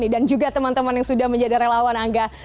dan juga teman teman yang sudah menjadi relawan angga